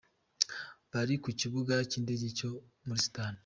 Bari ku kibuga kindege cyo muri Sudani